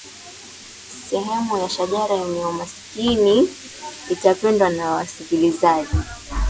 sehemu ya shajara yenye umakini itapendwa na wasikilizaji